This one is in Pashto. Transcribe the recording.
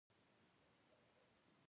اخلاق څه ارزښت لري؟